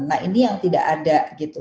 nah ini yang tidak ada gitu